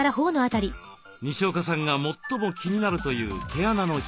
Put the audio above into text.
にしおかさんが最も気になるという毛穴の開き。